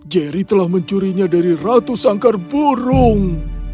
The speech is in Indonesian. jerry telah mencurinya dari ratu sangkar burung